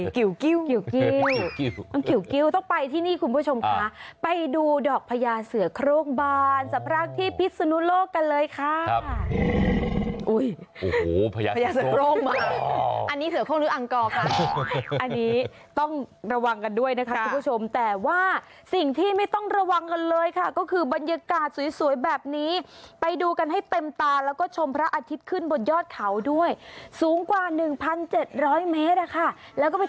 กิวกิวกิวกิวกิวกิวกิวกิวกิวกิวกิวกิวกิวกิวกิวกิวกิวกิวกิวกิวกิวกิวกิวกิวกิวกิวกิวกิวกิวกิวกิวกิวกิวกิวกิวกิวกิวกิวกิวกิวกิวกิวกิวกิวกิ